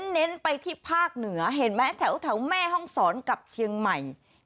เน้นไปที่ภาคเหนือเห็นไหมแถวแม่ห้องศรกับเชียงใหม่